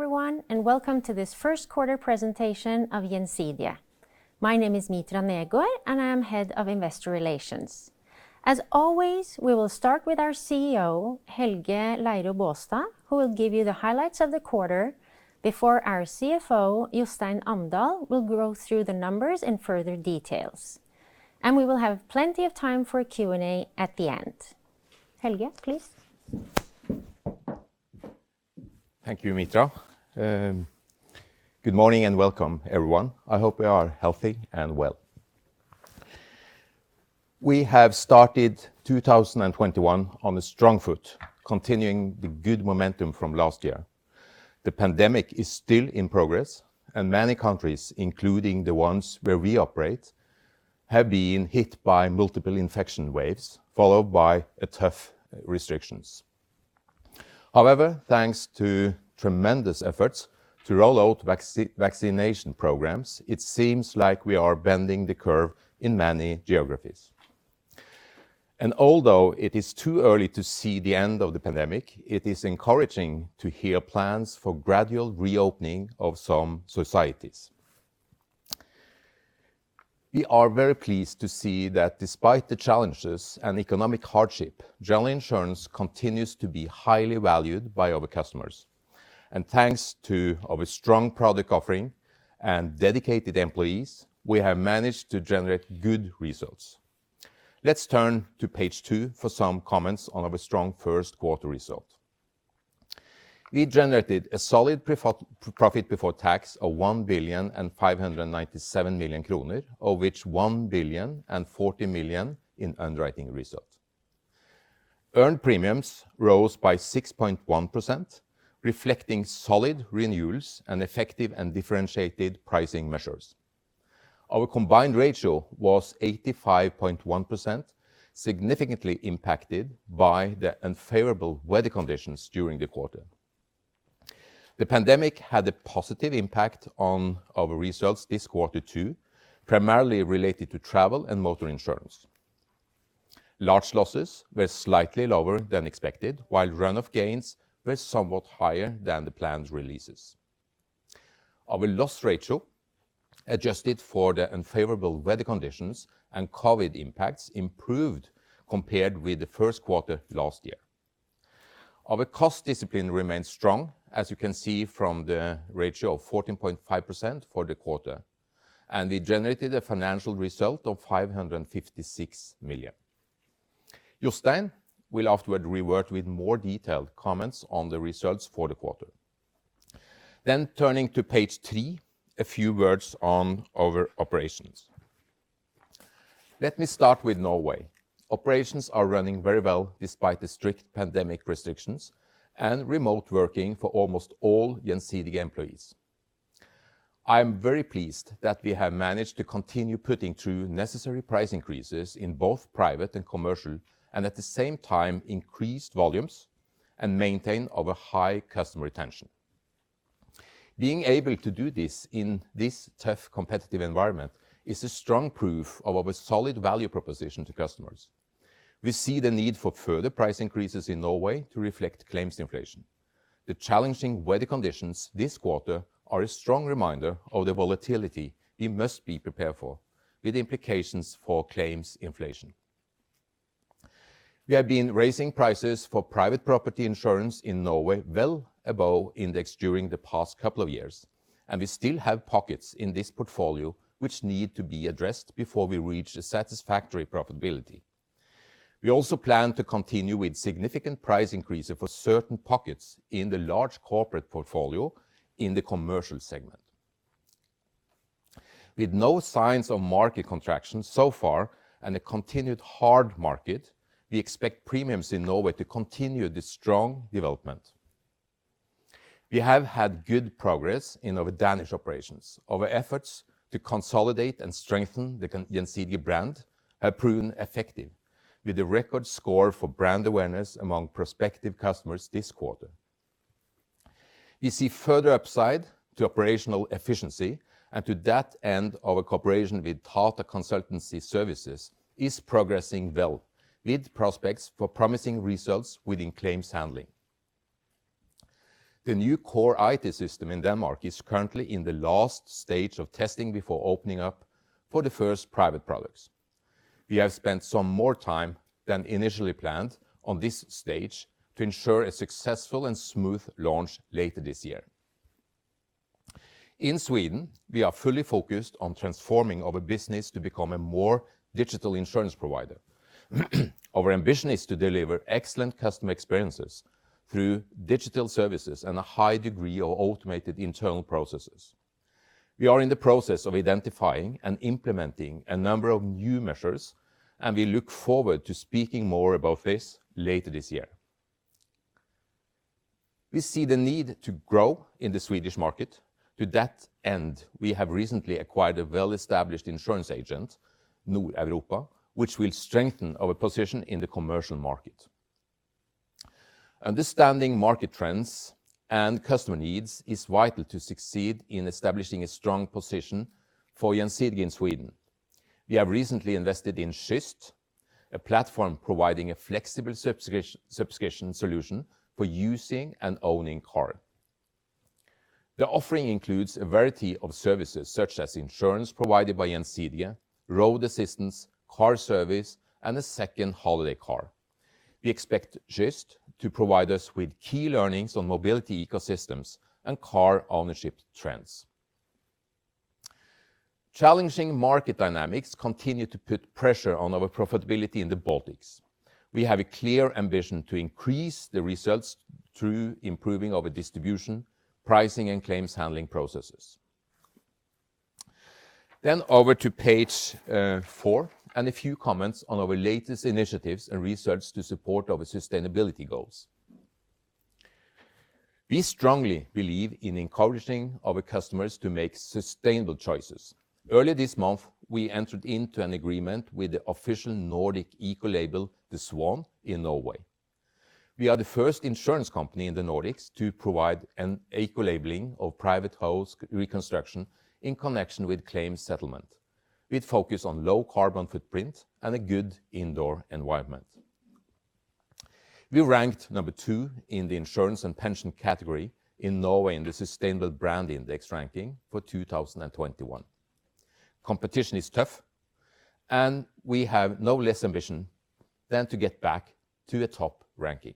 Everyone, and welcome to this first quarter presentation of Gjensidige. My name is Mitra Negård, and I am head of investor relations. As always, we will start with our CEO, Helge Leiro Baastad, who will give you the highlights of the quarter before our CFO, Jostein Amdal, will go through the numbers in further details. We will have plenty of time for a Q&A at the end. Helge, please. Thank you, Mitra. Good morning and welcome, everyone. I hope you are healthy and well. We have started 2021 on a strong foot, continuing the good momentum from last year. The pandemic is still in progress, and many countries, including the ones where we operate, have been hit by multiple infection waves, followed by tough restrictions. However, thanks to tremendous efforts to roll out vaccination programs, it seems like we are bending the curve in many geographies. And although it is too early to see the end of the pandemic, it is encouraging to hear plans for gradual reopening of some societies. We are very pleased to see that despite the challenges and economic hardship, general insurance continues to be highly valued by our customers. And thanks to our strong product offering and dedicated employees, we have managed to generate good results. Let's turn to page two for some comments on our strong first quarter result. We generated a solid profit before tax of 1,597 million kroner, of which 1,040 million in underwriting result. Earned premiums rose by 6.1%, reflecting solid renewals and effective and differentiated pricing measures. Our combined ratio was 85.1%, significantly impacted by the unfavorable weather conditions during the quarter. The pandemic had a positive impact on our results this quarter, too, primarily related to travel and motor insurance. Large losses were slightly lower than expected, while run-off gains were somewhat higher than the planned releases. Our loss ratio, adjusted for the unfavorable weather conditions and COVID impacts, improved compared with the first quarter last year. Our cost discipline remains strong, as you can see from the ratio of 14.5% for the quarter, and we generated a financial result of 556 million. Turning to page three, a few words on our operations. Let me start with Norway. Operations are running very well despite the strict pandemic restrictions and remote working for almost all Gjensidige employees. I am very pleased that we have managed to continue putting through necessary price increases in both private and commercial, and at the same time increased volumes and maintain our high customer retention. Being able to do this in this tough competitive environment is a strong proof of our solid value proposition to customers. We see the need for further price increases in Norway to reflect claims inflation. The challenging weather conditions this quarter are a strong reminder of the volatility we must be prepared for, with implications for claims inflation. We have been raising prices for private property insurance in Norway well above index during the past couple of years. We still have pockets in this portfolio which need to be addressed before we reach a satisfactory profitability. We also plan to continue with significant price increases for certain pockets in the large corporate portfolio in the commercial segment. With no signs of market contractions so far and a continued hard market, we expect premiums in Norway to continue this strong development. We have had good progress in our Danish operations. Our efforts to consolidate and strengthen the Gjensidige brand have proven effective, with a record score for brand awareness among prospective customers this quarter. We see further upside to operational efficiency. To that end, our cooperation with Tata Consultancy Services is progressing well, with prospects for promising results within claims handling. The new core IT system in Denmark is currently in the last stage of testing before opening up for the first private products. We have spent some more time than initially planned on this stage to ensure a successful and smooth launch later this year. In Sweden, we are fully focused on transforming our business to become a more digital insurance provider. Our ambition is to deliver excellent customer experiences through digital services and a high degree of automated internal processes. We are in the process of identifying and implementing a number of new measures. We look forward to speaking more about this later this year. We see the need to grow in the Swedish market. To that end, we have recently acquired a well-established insurance agent, Nordeuropa, which will strengthen our position in the commercial market. Understanding market trends and customer needs is vital to succeed in establishing a strong position for Gjensidige in Sweden. We have recently invested in Sømløs, a platform providing a flexible subscription solution for using and owning car. The offering includes a variety of services such as insurance provided by Gjensidige, road assistance, car service, and a second holiday car. We expect Sømløs to provide us with key learnings on mobility ecosystems and car ownership trends. Challenging market dynamics continue to put pressure on our profitability in the Baltics. We have a clear ambition to increase the results through improving our distribution, pricing, and claims handling processes. Over to page four, a few comments on our latest initiatives and research to support our sustainability goals. We strongly believe in encouraging our customers to make sustainable choices. Early this month, we entered into an agreement with the official Nordic eco-label, the Swan, in Norway. We are the first insurance company in the Nordics to provide an eco-labeling of private house reconstruction in connection with claims settlement, with focus on low carbon footprint and a good indoor environment. We ranked number 2 in the insurance and pension category in Norway in the Sustainable Brand Index ranking for 2021. Competition is tough. We have no less ambition than to get back to a top ranking.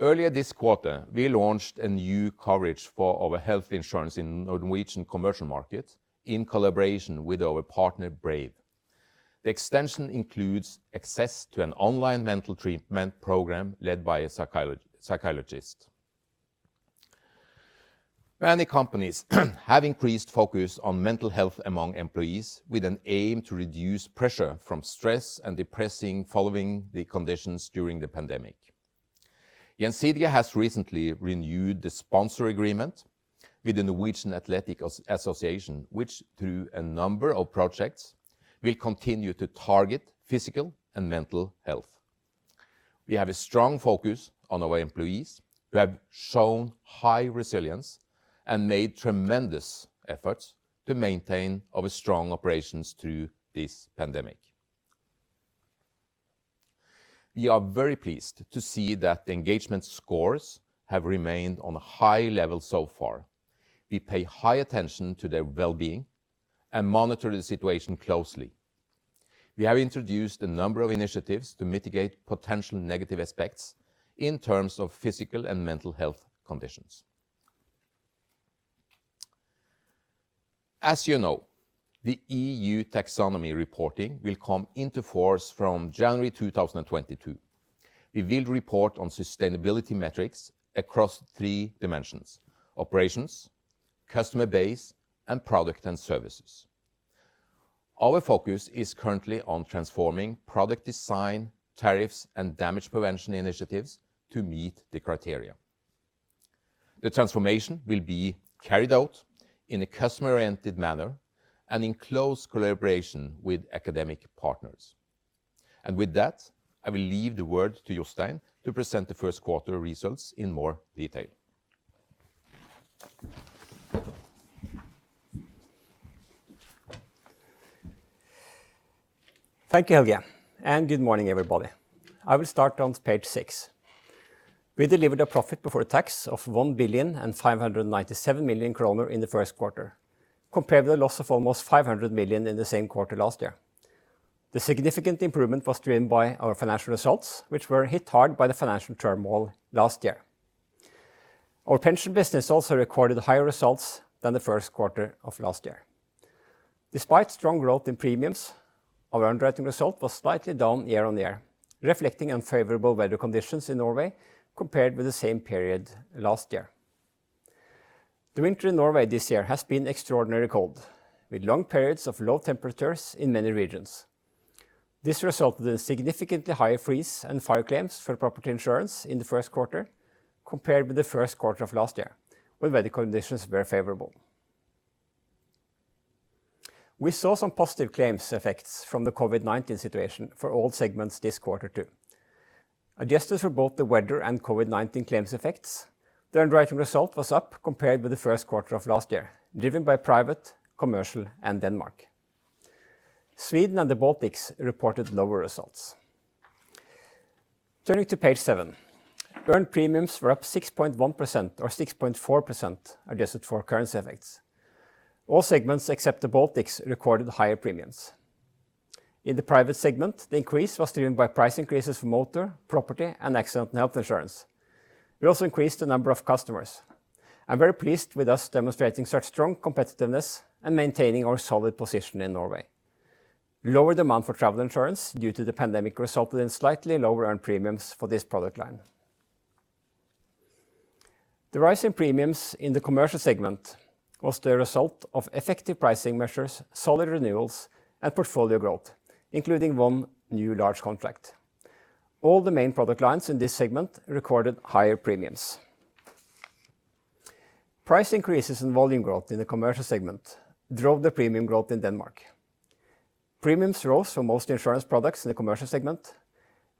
Earlier this quarter, we launched a new coverage for our health insurance in Norwegian commercial markets in collaboration with our partner, Braive. The extension includes access to an online mental treatment program led by a psychologist. Many companies have increased focus on mental health among employees with an aim to reduce pressure from stress and depression following the conditions during the pandemic. Gjensidige has recently renewed the sponsor agreement with the Norwegian Athletics Association, which, through a number of projects, will continue to target physical and mental health. We have a strong focus on our employees, who have shown high resilience and made tremendous efforts to maintain our strong operations through this pandemic. We are very pleased to see that the engagement scores have remained on a high level so far. We pay high attention to their well-being and monitor the situation closely. We have introduced a number of initiatives to mitigate potential negative aspects in terms of physical and mental health conditions. As you know, the EU taxonomy reporting will come into force from January 2022. We will report on sustainability metrics across three dimensions: operations, customer base, and product and services. Our focus is currently on transforming product design, tariffs, and damage prevention initiatives to meet the criteria. The transformation will be carried out in a customer-oriented manner and in close collaboration with academic partners. With that, I will leave the word to Jostein to present the first quarter results in more detail. Thank you, Helge, and good morning, everybody. I will start on page six. We delivered a profit before tax of 1,597 million kroner in the first quarter, compared with a loss of almost 500 million in the same quarter last year. The significant improvement was driven by our financial results, which were hit hard by the financial turmoil last year. Our pension business also recorded higher results than the first quarter of last year. Despite strong growth in premiums, our underwriting result was slightly down year-on-year, reflecting unfavorable weather conditions in Norway compared with the same period last year. The winter in Norway this year has been extraordinarily cold, with long periods of low temperatures in many regions. This resulted in significantly higher freeze and fire claims for property insurance in the first quarter compared with the first quarter of last year, when weather conditions were favorable. We saw some positive claims effects from the COVID-19 situation for all segments this quarter, too. Adjusted for both the weather and COVID-19 claims effects, the underwriting result was up compared with the first quarter of last year, driven by private, commercial, and Denmark. Sweden and the Baltics reported lower results. Turning to page seven. Earned premiums were up 6.1%, or 6.4% adjusted for currency effects. All segments except the Baltics recorded higher premiums. In the private segment, the increase was driven by price increases for motor, property, and accident and health insurance. We also increased the number of customers. I'm very pleased with us demonstrating such strong competitiveness and maintaining our solid position in Norway. Lower demand for travel insurance due to the pandemic resulted in slightly lower earned premiums for this product line. The rise in premiums in the commercial segment was the result of effective pricing measures, solid renewals, and portfolio growth, including one new large contract. All the main product lines in this segment recorded higher premiums. Price increases and volume growth in the commercial segment drove the premium growth in Denmark. Premiums rose for most insurance products in the commercial segment.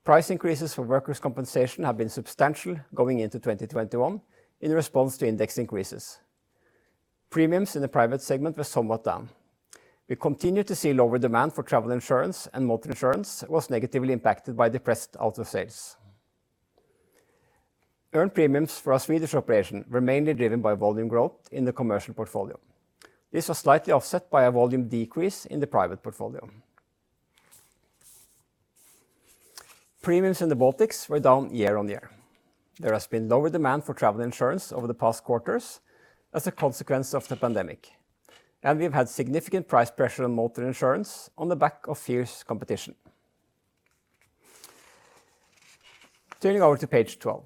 Price increases for workers' compensation have been substantial going into 2021 in response to index increases. Premiums in the private segment were somewhat down. We continue to see lower demand for travel insurance, and motor insurance was negatively impacted by depressed auto sales. Earned premiums for our Swedish operation were mainly driven by volume growth in the commercial portfolio. This was slightly offset by a volume decrease in the private portfolio. Premiums in the Baltics were down year-on-year. There has been lower demand for travel insurance over the past quarters as a consequence of the pandemic, and we've had significant price pressure on motor insurance on the back of fierce competition. Turning over to page 12.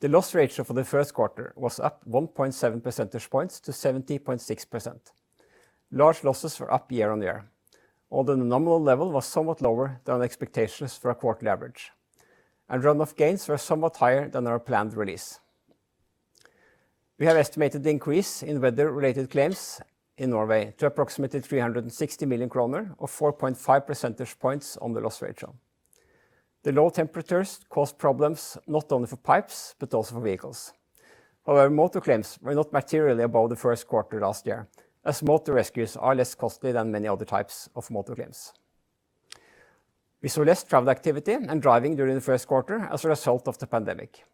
The loss ratio for the first quarter was up 1.7 percentage points to 70.6%. Large losses were up year-on-year, although the nominal level was somewhat lower than expectations for a quarterly average, and run-off gains were somewhat higher than our planned release. We have estimated the increase in weather-related claims in Norway to approximately 360 million kroner, or 4.5 percentage points on the loss ratio. The low temperatures caused problems not only for pipes but also for vehicles. However, motor claims were not materially above the first quarter last year, as motor rescues are less costly than many other types of motor claims. We saw less travel activity and driving during the first quarter as a result of the pandemic.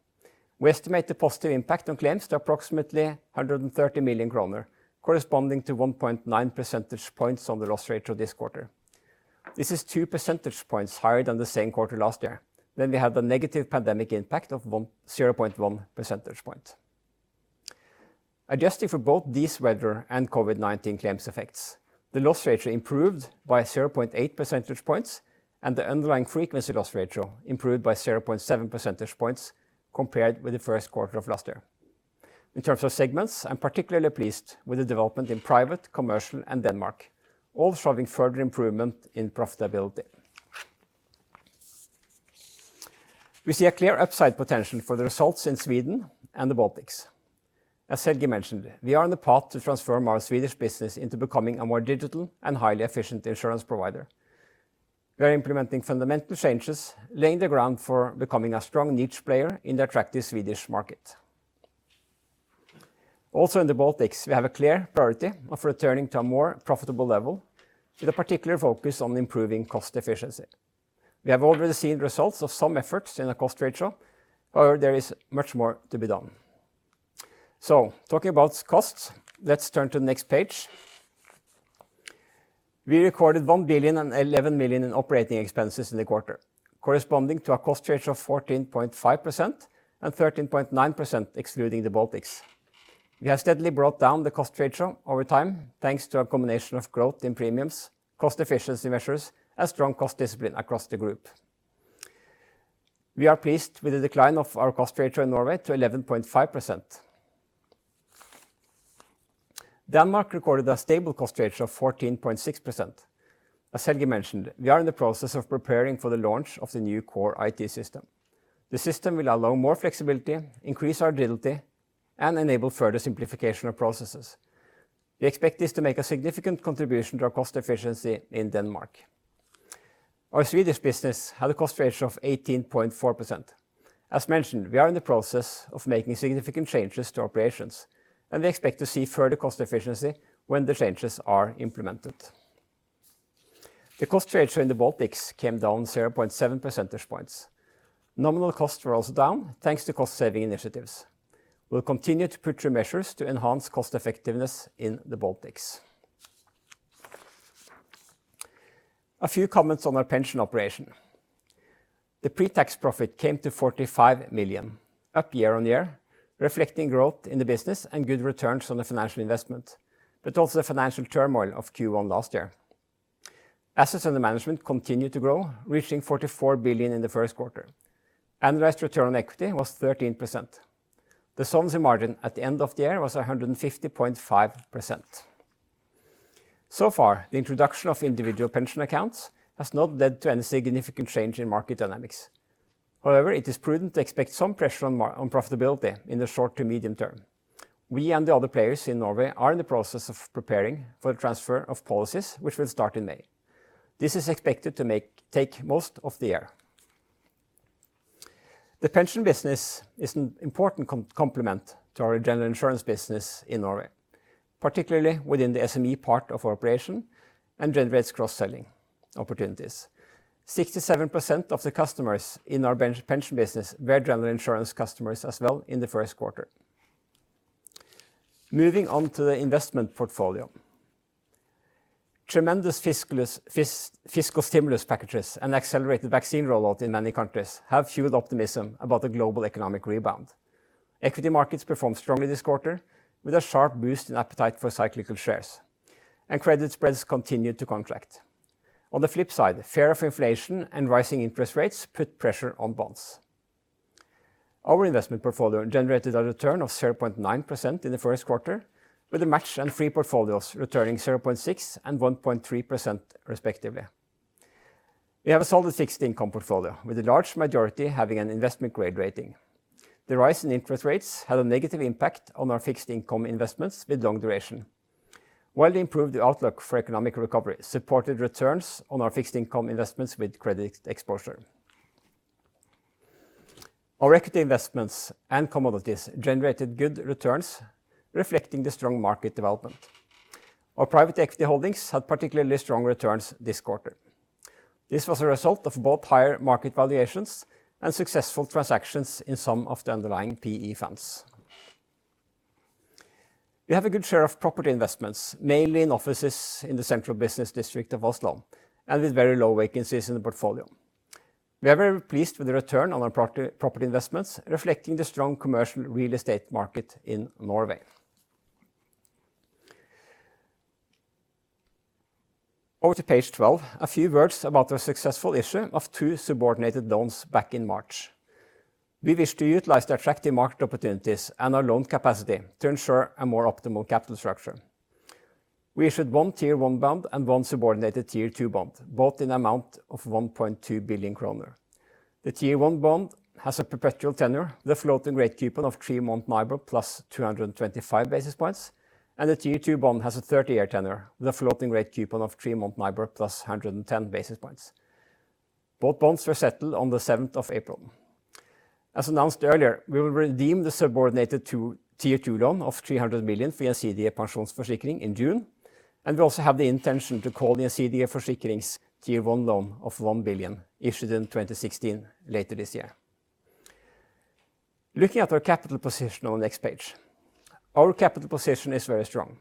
We estimate the positive impact on claims to approximately 130 million kroner, corresponding to 1.9 percentage points on the loss ratio this quarter. This is two percentage points higher than the same quarter last year, when we had the negative pandemic impact of 0.1 percentage points. Adjusting for both these weather and COVID-19 claims effects, the loss ratio improved by 0.8 percentage points, and the underlying frequency loss ratio improved by 0.7 percentage points compared with the first quarter of last year. In terms of segments, I'm particularly pleased with the development in private, commercial, and Denmark, all showing further improvement in profitability. We see a clear upside potential for the results in Sweden and the Baltics. As Helge mentioned, we are on the path to transform our Swedish business into becoming a more digital and highly efficient insurance provider. We are implementing fundamental changes, laying the ground for becoming a strong niche player in the attractive Swedish market. Also in the Baltics, we have a clear priority of returning to a more profitable level, with a particular focus on improving cost efficiency. We have already seen results of some efforts in the cost ratio, however there is much more to be done. Talking about costs, let's turn to the next page. We recorded 1,011 million in operating expenses in the quarter, corresponding to a cost ratio of 14.5% and 13.9% excluding the Baltics. We have steadily brought down the cost ratio over time thanks to a combination of growth in premiums, cost efficiency measures, and strong cost discipline across the group. We are pleased with the decline of our cost ratio in Norway to 11.5%. Denmark recorded a stable cost ratio of 14.6%. As Helge mentioned, we are in the process of preparing for the launch of the new core IT system. The system will allow more flexibility, increase our agility, and enable further simplification of processes. We expect this to make a significant contribution to our cost efficiency in Denmark. Our Swedish business had a cost ratio of 18.4%. As mentioned, we are in the process of making significant changes to operations, and we expect to see further cost efficiency when the changes are implemented. The cost ratio in the Baltics came down 0.7 percentage points. Nominal costs were also down thanks to cost-saving initiatives. We'll continue to put through measures to enhance cost effectiveness in the Baltics. A few comments on our pension operation. The pre-tax profit came to 45 million, up year-on-year, reflecting growth in the business and good returns on the financial investment, but also the financial turmoil of Q1 last year. Assets under management continued to grow, reaching 44 billion in the first quarter, and the rest return on equity was 13%. The solvency margin at the end of the year was 150.5%. So far, the introduction of individual pension account has not led to any significant change in market dynamics. However, it is prudent to expect some pressure on profitability in the short to medium term. We and the other players in Norway are in the process of preparing for the transfer of policies, which will start in May. This is expected to take most of the year. The pension business is an important complement to our general insurance business in Norway, particularly within the SME part of our operation, and generates cross-selling opportunities. 67% of the customers in our pension business were general insurance customers as well in the first quarter. Moving on to the investment portfolio. Tremendous fiscal stimulus packages and accelerated vaccine rollout in many countries have fueled optimism about the global economic rebound. Equity markets performed strongly this quarter, with a sharp boost in appetite for cyclical shares, and credit spreads continued to contract. On the flip side, fear of inflation and rising interest rates put pressure on bonds. Our investment portfolio generated a return of 0.9% in the first quarter, with the matched and free portfolios returning 0.6% and 1.3% respectively. We have a solid fixed income portfolio with the large majority having an investment grade rating. The rise in interest rates had a negative impact on our fixed income investments with long duration, while the improved outlook for economic recovery supported returns on our fixed income investments with credit exposure. Our equity investments and commodities generated good returns, reflecting the strong market development. Our private equity holdings had particularly strong returns this quarter. This was a result of both higher market valuations and successful transactions in some of the underlying PE funds. We have a good share of property investments, mainly in offices in the central business district of Oslo, and with very low vacancies in the portfolio. We are very pleased with the return on our property investments, reflecting the strong commercial real estate market in Norway. Over to page 12, a few words about our successful issue of two subordinated loans back in March. We wish to utilize the attractive market opportunities and our loan capacity to ensure a more optimal capital structure. We issued one Tier 1 bond and one subordinated Tier 2 bond, both in amount of 1.2 billion kroner. The Tier 1 bond has a perpetual tenure with a floating rate coupon of three-month NIBOR plus 225 basis points, and the Tier 2 bond has a 30-year tenure with a floating rate coupon of three-month NIBOR plus 110 basis points. Both bonds were settled on the 7th of April. As announced earlier, we will redeem the subordinated Tier 2 loan of 300 million for Gjensidige Pensjonsforsikring in June, and we also have the intention to call the Gjensidige Forsikring Tier 1 loan of 1 billion issued in 2016 later this year. Looking at our capital position on the next page. Our capital position is very strong,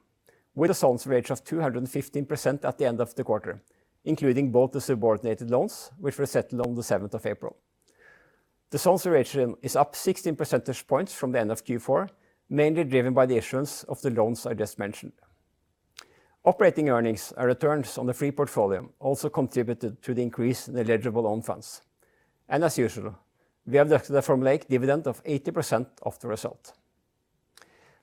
with a solvency ratio of 215% at the end of the quarter, including both the subordinated loans, which were settled on the 7th of April. The solvency ratio is up 16 percentage points from the end of Q4, mainly driven by the issuance of the loans I just mentioned. Operating earnings and returns on the fee portfolio also contributed to the increase in the eligible own funds. As usual, we have looked at the formulaic dividend of 80% of the result.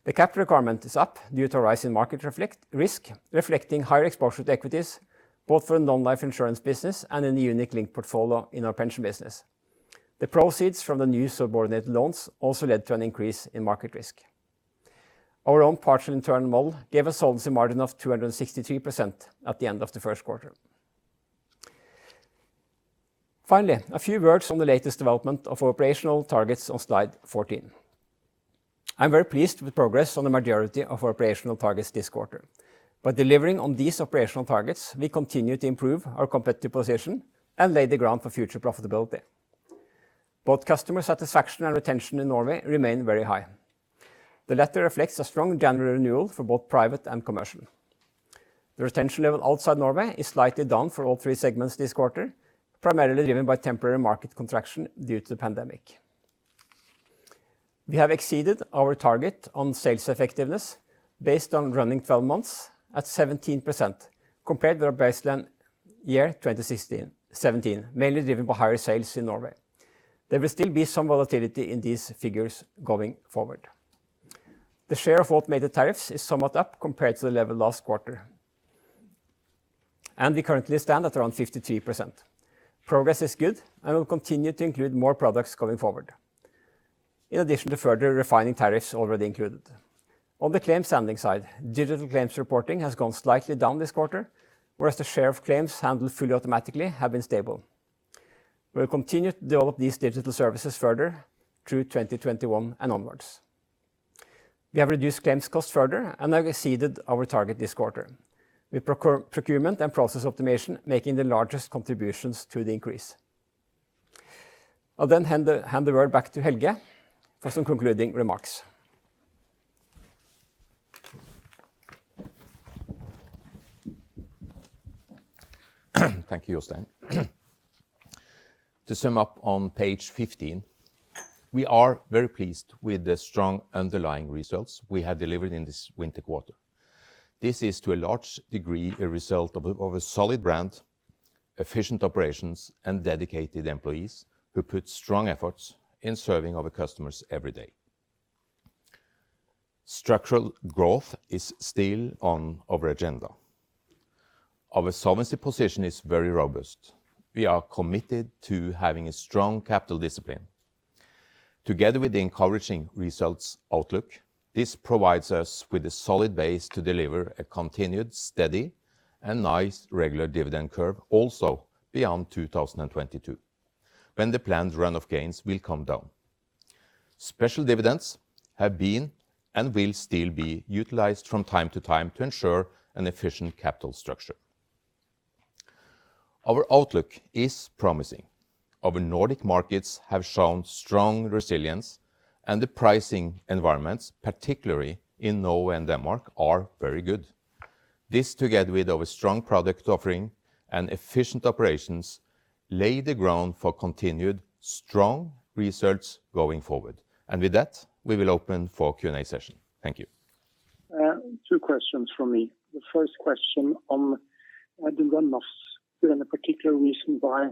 The capital requirement is up due to a rise in market risk, reflecting higher exposure to equities, both for the non-life insurance business and in the unit-linked portfolio in our pension business. The proceeds from the new subordinated loans also led to an increase in market risk. Our own partial internal model gave a solvency margin of 263% at the end of the first quarter. Finally, a few words on the latest development of operational targets on slide 14. I'm very pleased with progress on the majority of our operational targets this quarter. By delivering on these operational targets, we continue to improve our competitive position and lay the ground for future profitability. Both customer satisfaction and retention in Norway remain very high. The latter reflects a strong general renewal for both private and commercial. The retention level outside Norway is slightly down for all three segments this quarter, primarily driven by temporary market contraction due to the pandemic. We have exceeded our target on sales effectiveness based on running 12 months at 17%, compared to our baseline year 2016, 2017, mainly driven by higher sales in Norway. There will still be some volatility in these figures going forward. The share of automated tariffs is somewhat up compared to the level last quarter. We currently stand at around 53%. Progress is good and will continue to include more products going forward. In addition to further refining tariffs already included. On the claim handling side, digital claims reporting has gone slightly down this quarter, whereas the share of claims handled fully automatically have been stable. We will continue to develop these digital services further through 2021 and onwards. We have reduced claims costs further and have exceeded our target this quarter. With procurement and process optimization making the largest contributions to the increase. I'll then hand the word back to Helge for some concluding remarks. Thank you, Jostein. To sum up on page 15, we are very pleased with the strong underlying results we have delivered in this winter quarter. This is, to a large degree, a result of a solid brand, efficient operations, and dedicated employees who put strong efforts in serving our customers every day. Structural growth is still on our agenda. Our solvency position is very robust. We are committed to having a strong capital discipline. Together with the encouraging results outlook, this provides us with a solid base to deliver a continued, steady, and nice regular dividend curve also beyond 2022, when the planned run-off gains will come down. Special dividends have been and will still be utilized from time to time to ensure an efficient capital structure. Our outlook is promising. Our Nordic markets have shown strong resilience, and the pricing environments, particularly in Norway and Denmark, are very good. This, together with our strong product offering and efficient operations, lay the ground for continued strong results going forward. With that, we will open for our Q&A session. Thank you. Two questions from me. The first question on the run-off. Is there any particular reason why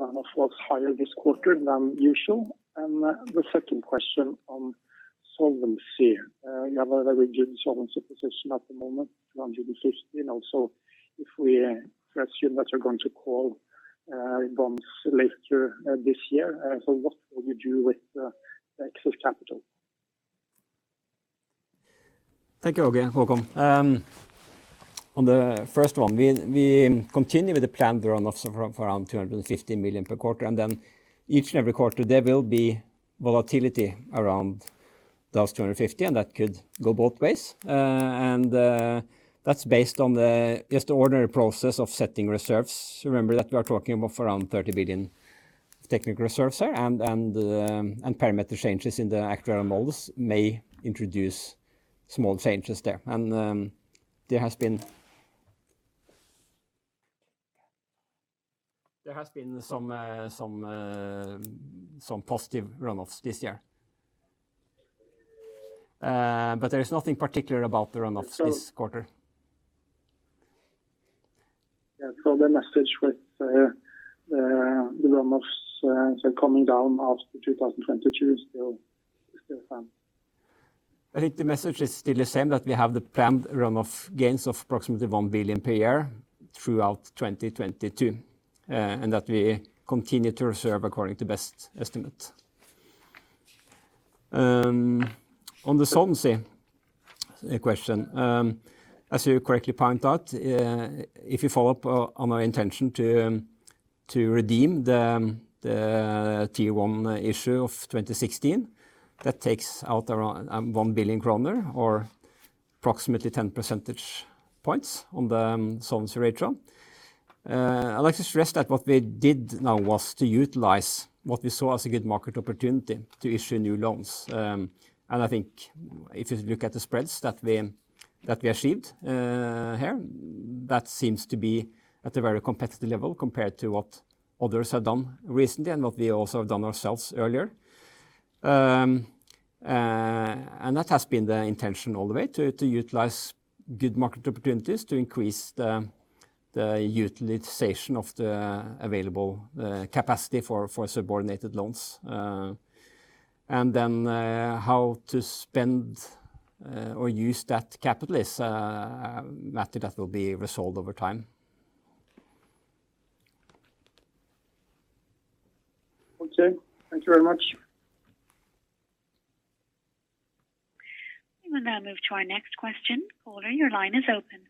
run-off was higher this quarter than usual? The second question on Solvency. You have a very good solvency position at the moment, 250. Also, if we assume that you're going to call bonds later this year, what will you do with the excess capital? Thank you, Åge. Welcome. On the first one, we continue with the planned runoffs of around 250 million per quarter. Each and every quarter there will be volatility around those 250, that could go both ways. That's based on just the ordinary process of setting reserves. Remember that we are talking of around 30 billion technical reserves there. Parameter changes in the actuarial models may introduce small changes there. There has been some positive runoffs this year. There is nothing particular about the runoffs this quarter. Yeah. The message with the runoffs coming down after 2022 is still the same. I think the message is still the same, that we have the planned runoff gains of approximately 1 billion per year throughout 2022, that we continue to reserve according to best estimate. On the solvency question, as you correctly point out, if you follow up on our intention to redeem the Tier 1 issue of 2016, that takes out around 1 billion kroner, or approximately 10 percentage points on the solvency ratio. I'd like to stress that what we did now was to utilize what we saw as a good market opportunity to issue new loans. I think if you look at the spreads that we achieved here, that seems to be at a very competitive level compared to what others have done recently and what we also have done ourselves earlier. That has been the intention all the way, to utilize good market opportunities to increase the utilization of the available capacity for subordinated loans. How to spend or use that capital is a matter that will be resolved over time. Okay. Thank you very much. We will now move to our next question. Caller, your line is open.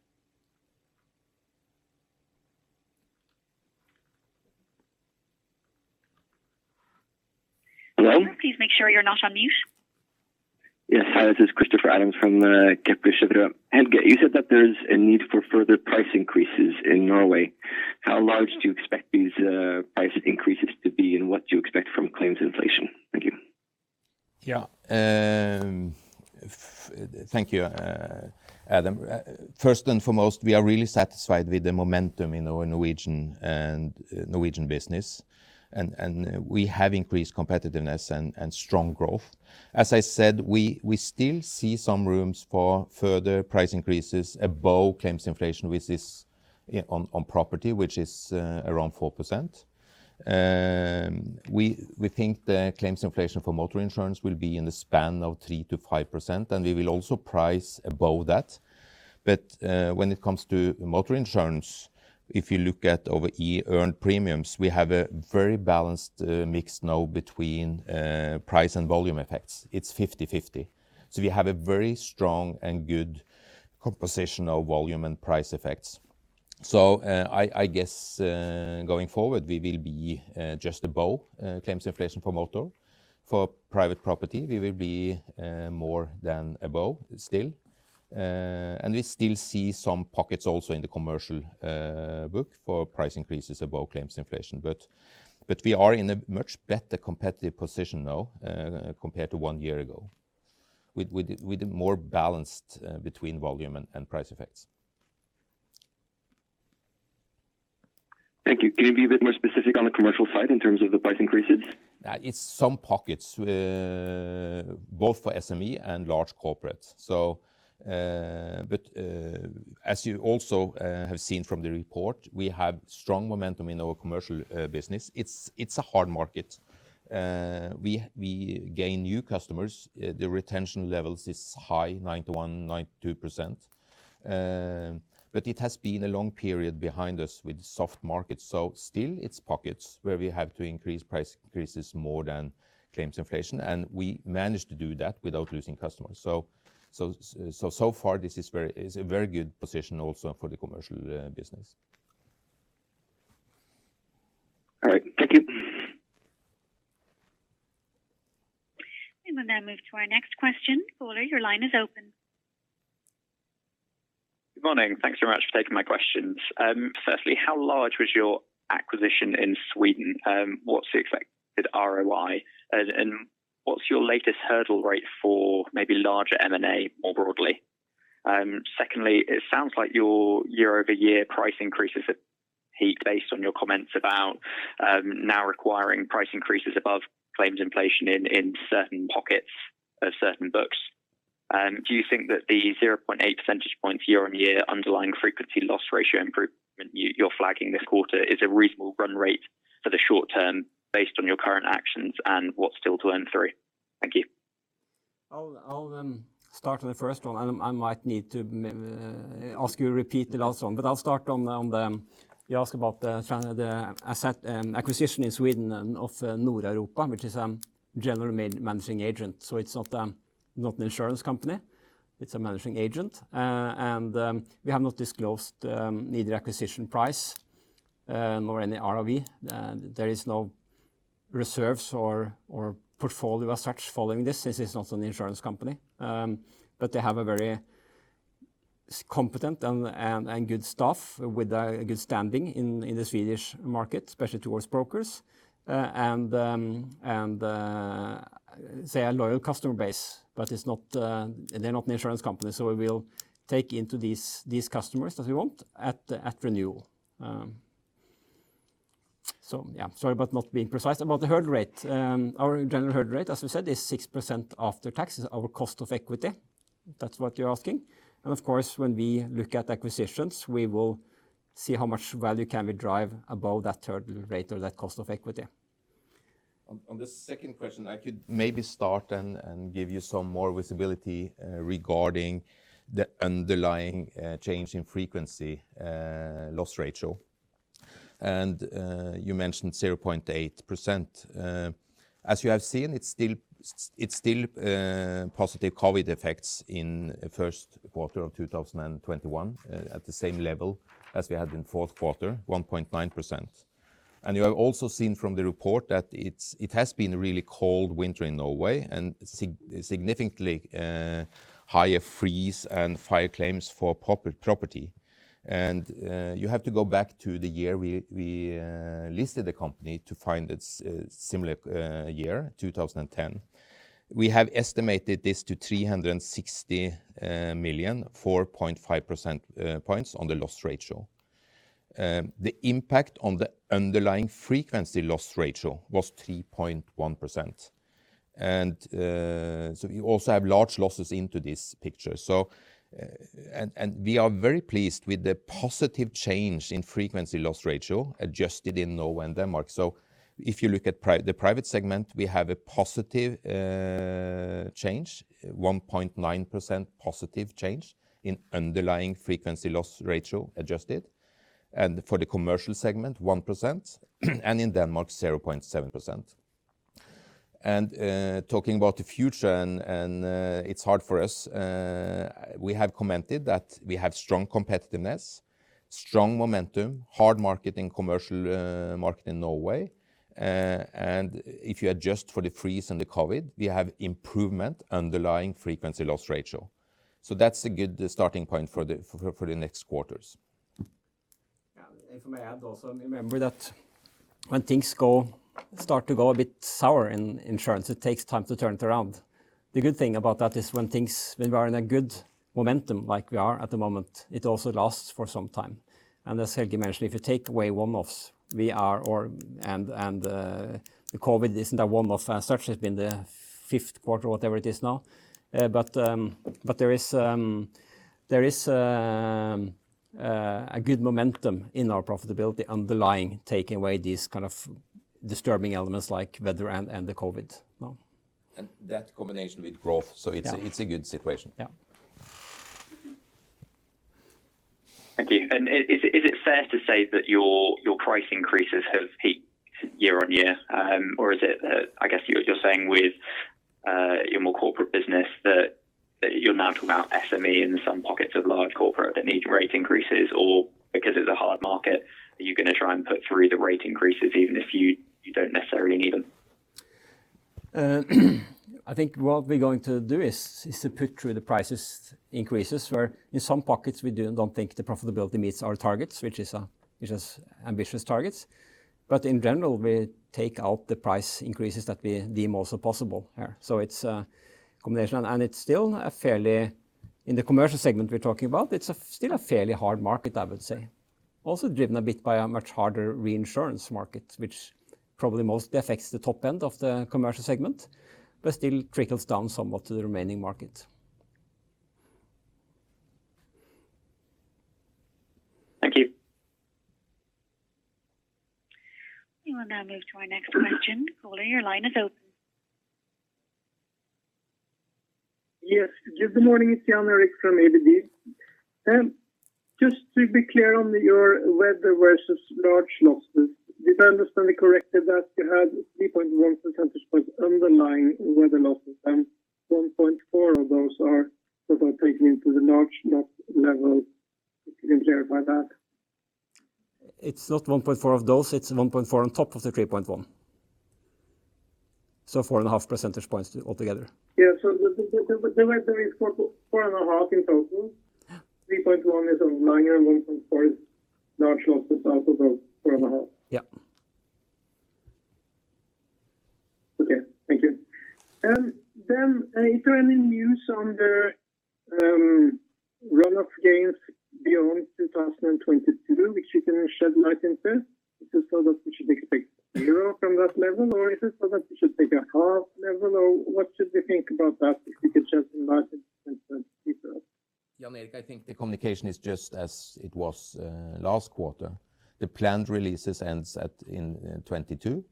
Hello? Caller, please make sure you are not on mute. Yes. Hi, this is Christoffer Adams from Kepler Cheuvreux. Helge, you said that there is a need for further price increases in Norway. How large do you expect these price increases to be, and what do you expect from claims inflation? Thank you. Thank you, Adams. First and foremost, we are really satisfied with the momentum in our Norwegian business, and we have increased competitiveness and strong growth. As I said, we still see some room for further price increases above claims inflation on property, which is around 4%. We think the claims inflation for motor insurance will be in the span of 3%-5%, and we will also price above that. When it comes to motor insurance, if you look at our earned premiums, we have a very balanced mix now between price and volume effects. It is 50/50. We have a very strong and good composition of volume and price effects. I guess, going forward, we will be just above claims inflation for motor. For private property, we will be more than above still. We still see some pockets also in the commercial book for price increases above claims inflation. We are in a much better competitive position now, compared to one year ago, with more balance between volume and price effects. Thank you. Can you be a bit more specific on the commercial side in terms of the price increases? It is some pockets, both for SME and large corporates. As you also have seen from the report, we have strong momentum in our commercial business. It is a hard market. We gain new customers. The retention levels are high, 91%-92%. It has been a long period behind us with soft markets. Still, it is pockets where we have to increase price increases more than claims inflation, and we managed to do that without losing customers. So far this is a very good position also for the commercial business. All right. Thank you. We will now move to our next question. Caller, your line is open. Good morning. Thanks very much for taking my questions. Firstly, how large was your acquisition in Sweden? What's the expected ROI? What's your latest hurdle rate for maybe larger M&A more broadly? Secondly, it sounds like your year-over-year price increases have peaked based on your comments about now requiring price increases above claims inflation in certain pockets of certain books. Do you think that the 0.8 percentage points year-on-year underlying frequency loss ratio improvement you're flagging this quarter is a reasonable run rate for the short term based on your current actions and what's still to earn through? Thank you. I'll start on the first one. I might need to ask you to repeat the last one. I'll start on the You asked about the asset acquisition in Sweden of Nordeuropa, which is a managing general agent. It's not an insurance company, it's a managing agent. We have not disclosed neither acquisition price nor any ROE. There is no reserves or portfolio as such following this. This is not an insurance company. They have a very competent and good staff with a good standing in the Swedish market, especially towards brokers and a loyal customer base. They're not an insurance company, so we will take into these customers that we want at renewal. Sorry about not being precise. About the hurdle rate. Our general hurdle rate, as we said, is 6% after taxes. Our cost of equity, that's what you're asking. When we look at acquisitions, we will see how much value can we drive above that hurdle rate or that cost of equity. On the second question, I could maybe start and give you some more visibility regarding the underlying change in frequency loss ratio. You mentioned 0.8%. As you have seen, it's still positive COVID effects in first quarter of 2021 at the same level as we had in fourth quarter, 1.9%. You have also seen from the report that it has been really cold winter in Norway and significantly higher freeze and fire claims for property. You have to go back to the year we listed the company to find its similar year, 2010. We have estimated this to 360 million, 4.5 percentage points on the loss ratio. The impact on the underlying frequency loss ratio was 3.1%. You also have large losses into this picture. We are very pleased with the positive change in frequency loss ratio adjusted in Norway and Denmark. If you look at the private segment, we have a positive change, 1.9% positive change in underlying frequency loss ratio adjusted. For the commercial segment, 1%, and in Denmark, 0.7%. Talking about the future, it's hard for us, we have commented that we have strong competitiveness, strong momentum, hard market in commercial market in Norway. If you adjust for the freeze and the COVID, we have improvement underlying frequency loss ratio. That's a good starting point for the next quarters. If I may add also, remember that when things start to go a bit sour in insurance, it takes time to turn it around. The good thing about that is when we are in a good momentum like we are at the moment, it also lasts for some time. As Helge mentioned, if you take away one-offs, the COVID isn't a one-off as such, it's been the fifth quarter, whatever it is now. There is a good momentum in our profitability underlying, taking away these kind of disturbing elements like weather and the COVID. That combination with growth. Yeah. It is a good situation. Yeah. Thank you. Is it fair to say that your price increases have peaked year-on-year? Or is it, I guess you are saying with your more corporate business, that you are now talking about SME and some pockets of large corporate that need rate increases, or because it is a hard market, are you going to try and put through the rate increases even if you do not necessarily need them? I think what we are going to do is to put through the prices increases where in some pockets, we do not think the profitability meets our targets, which is ambitious targets. In general, we take out the price increases that we deem also possible here. It is a combination, and it is still a fairly, in the commercial segment we are talking about, it is still a fairly hard market, I would say. Also driven a bit by a much harder reinsurance market, which probably mostly affects the top end of the commercial segment, but still trickles down somewhat to the remaining market. Thank you. We will now move to our next question. Caller, your line is open. Yes. Good morning. It's Jan Erik from ABG Sundal Collier. Just to be clear on your weather versus large losses, did I understand it correctly that you had 3.1 percentage points underlying weather losses, and 1.4 of those are taken into the large loss level? If you can clarify that. It's not 1.4 of those. It's 1.4 on top of the 3.1. 4.5 percentage points altogether. The weather is 4.5 in total. Yeah. 3.1 is underlying, 1.4 is large losses on top of the 4.5. Yeah. Okay. Thank you. Is there any news on the Runoff gains beyond 2022, which you can shed light into, is it so that we should expect zero from that level, is it so that we should take a half level, what should we think about that if we could just enlighten in terms Jan Erik, I think the communication is just as it was last quarter. The planned releases ends in 2022,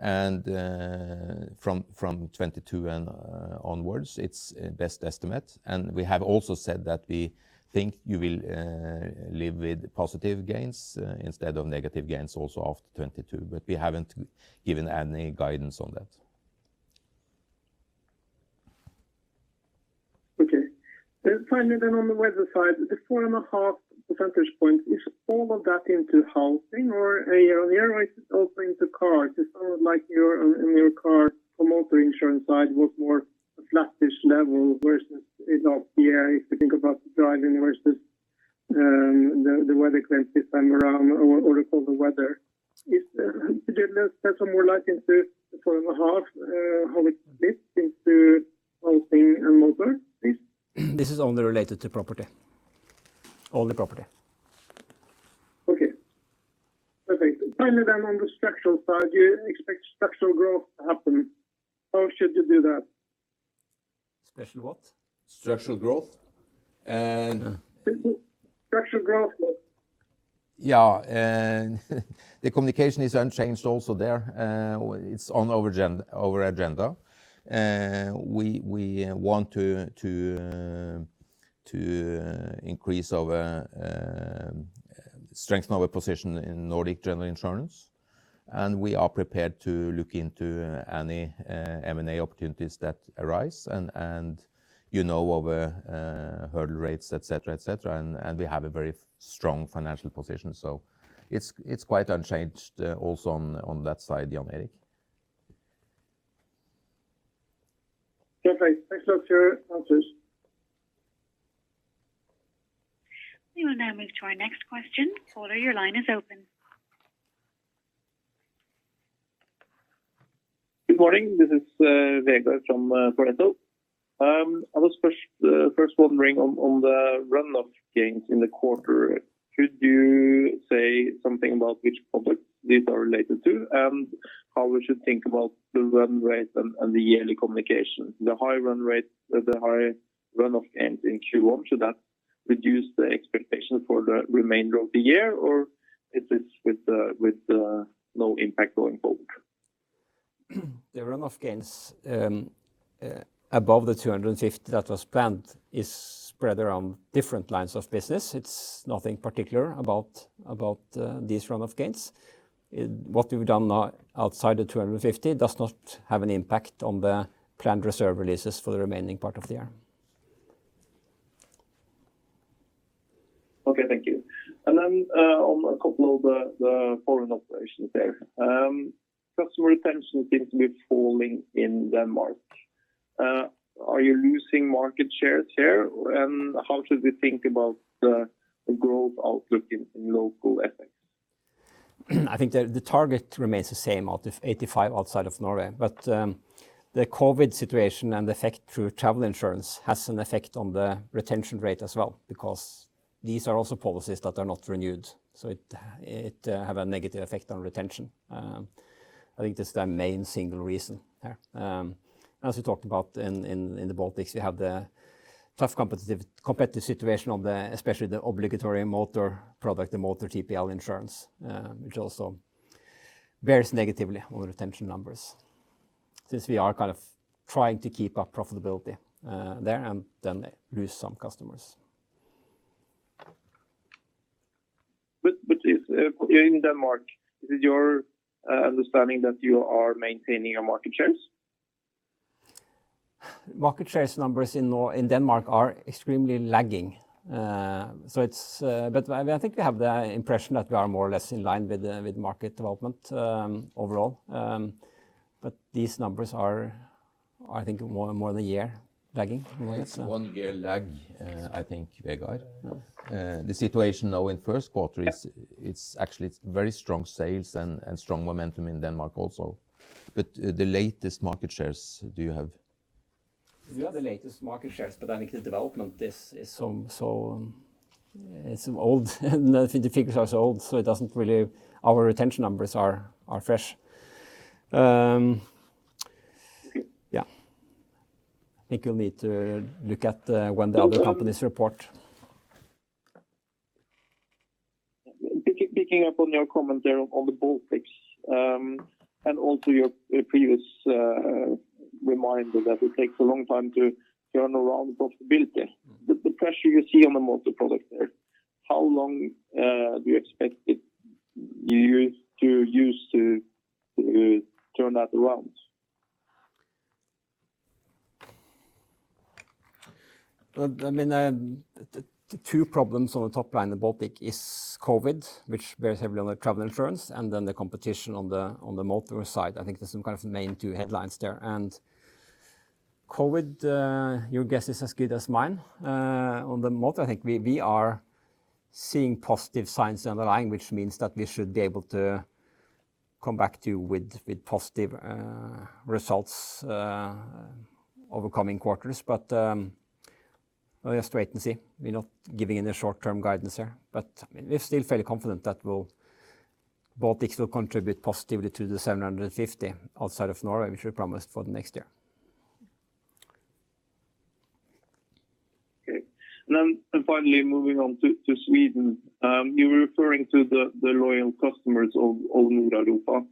from 2022 onwards, it's best estimate. We have also said that we think you will live with positive gains instead of negative gains also after 2022, we haven't given any guidance on that. Okay. Finally, on the weather side, the 4.5 percentage point, is all of that into housing or the other way is also into car? Is it sort of like in your car or motor insurance side, was more a flattish level versus is up here if you think about driving versus the weather claims this time around or the colder weather. Could you just shed some more light into 4.5, how it splits into housing and motor, please? This is only related to property. Only property. Okay. Finally, on the structural side, do you expect structural growth to happen? How should you do that? Special what? Structural growth? Structural growth. Yeah. The communication is unchanged also there. It's on our agenda. We want to strengthen our position in Nordic General Insurance. We are prepared to look into any M&A opportunities that arise. You know our hurdle rates, et cetera. We have a very strong financial position, so it's quite unchanged also on that side, Jan Erik. Okay. Thanks a lot for your answers. We will now move to our next question. Caller, your line is open. Good morning. This is Vegard from DNB. I was first wondering on the run-off gains in the quarter. Could you say something about which products these are related to and how we should think about the run rate and the yearly communication? The high run-off gains in Q1, should that reduce the expectation for the remainder of the year, or is this with no impact going forward? The run-off gains above the 250 that was planned is spread around different lines of business. It's nothing particular about these run-off gains. What we've done now outside the 250 does not have any impact on the planned reserve releases for the remaining part of the year. Okay, thank you. Then, on a couple of the foreign operations there. Customer retention seems to be falling in Denmark. Are you losing market shares here? How should we think about the growth outlook in local FX? I think the target remains the same, 85 outside of Norway. The COVID situation and the effect through travel insurance has an effect on the retention rate as well because these are also policies that are not renewed, so it have a negative effect on retention. I think this is the main single reason there. As we talked about in the Baltics, we have the tough competitive situation on especially the obligatory motor product, the motor TPL insurance, which also bears negatively on retention numbers since we are kind of trying to keep up profitability there and then lose some customers. In Denmark, is it your understanding that you are maintaining your market shares? Market shares numbers in Denmark are extremely lagging. I think we have the impression that we are more or less in line with market development overall. These numbers are I think more than a year lagging. It's one year lag, I think, Vegard. The situation now in first quarter- Yeah It's actually very strong sales and strong momentum in Denmark also. The latest market shares, do you have? We have the latest market shares, but I think the development is so old and I think the figures are so old, so it doesn't really. Our retention numbers are fresh. Okay. Yeah. I think you'll need to look at when the other companies report. Picking up on your comment there on the Baltics, and also your previous reminder that it takes a long time to turn around profitability. The pressure you see on the motor product there, how long do you expect it to use to turn that around? The two problems on the top line in the Baltics is COVID, which bears heavily on the travel insurance, and then the competition on the motor side. I think there's some kind of main two headlines there. COVID, your guess is as good as mine. On the motor, I think we are seeing positive signs underlying, which means that we should be able to come back to you with positive results over coming quarters. We have to wait and see. We're not giving any short-term guidance here, but we're still fairly confident that both these will contribute positively to the 750 outside of Norway, which we promised for the next year. Okay. Then finally, moving on to Sweden. You were referring to the loyal customers of Nordeuropa.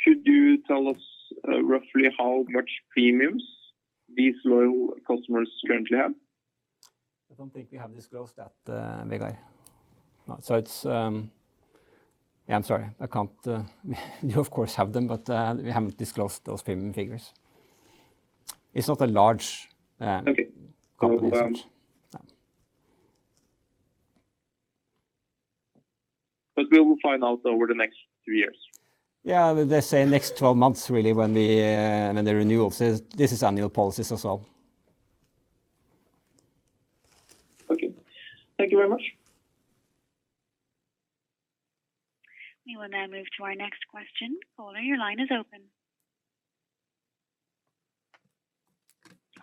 Should you tell us roughly how much premiums these loyal customers currently have? I don't think we have disclosed that, Vegard. I'm sorry, I can't. We, of course, have them, but we haven't disclosed those premium figures. It's not a large- Okay component. No. We will find out over the next two years. Yeah. Let's say next 12 months, really, when the renewal. These annual policies as well. Okay. Thank you very much. We will now move to our next question. Caller, your line is open.